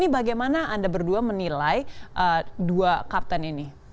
bagaimana anda berdua menilai dua kapten ini